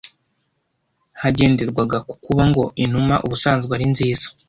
Hagenderwaga ku kuba ngo inuma ubusanzwe ari nziza